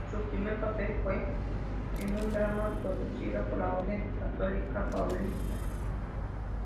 Su primer papel fue en un drama producido por la orden católica Paulista.